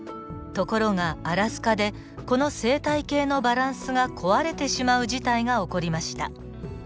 ところがアラスカでこの生態系のバランスが壊れてしまう事態が起こりました。